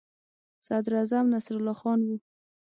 صدراعظم نصرالله خان وو.